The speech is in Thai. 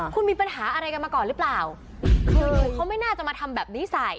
คุณมีปัญหาอะไรกันมาก่อนหรือเปล่าคือเขาไม่น่าจะมาทำแบบนี้ใส่